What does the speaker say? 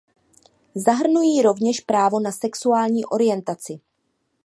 Zahrnují rovněž právo na sexuální orientaci.